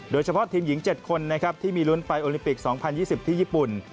โดยเฉพาะทีมหญิง๗คนนะครับที่มีลุ้นไปโอลิมปิก๒๐๒๐ที่ญี่ปุ่น